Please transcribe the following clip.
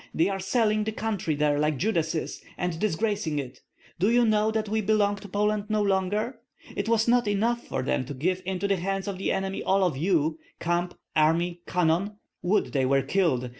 They are selling the country there like Judases, and disgracing it. Do you know that we belong to Poland no longer? It was not enough for them to give into the hands of the enemy all of you, camp, army, cannon. Would they were killed!